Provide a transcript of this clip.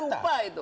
jangan lupa itu